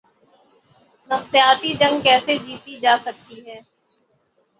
نفسیاتی جنگ کیسے جیتی جا سکتی ہے۔